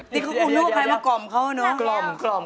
เดี๋ยวเดี๋ยวเดี๋ยวเดี๋ยวใครมากล่อมเขาแล้วเนอะ